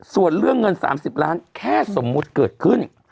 ส่วนเรื่องเงิน๓๐ล้านแค่สมมุติเกิดขึ้น